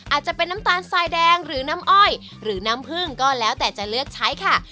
อาจจะเป็นน้ำตาลทรายแดงหรือน้ำอ้อยหรือน้ำผึ้งก็แล้วแต่จะเลือกใช้ค่ะ